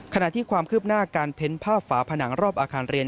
ขณะที่ความคืบหน้าการเพ้นภาพฝาผนังรอบอาคารเรียน